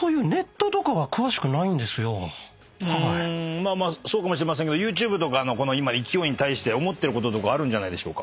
まあまあそうかもしれませんけどＹｏｕＴｕｂｅとかの勢いに対して思ってることとかあるんじゃないでしょうか？